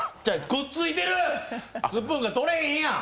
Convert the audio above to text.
くっついてる、スプーンが取れんやん。